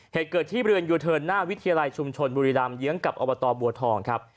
เหตุเกิดที่เรือนยูเทิร์นหน้าวิทยาลัยชุมชนบุรีรำเยื้องกับอบตบัวทองครับ